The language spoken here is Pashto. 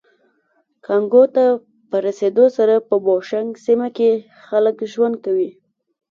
کانګو ته په رسېدو سره په بوشونګ سیمه کې خلک ژوند کوي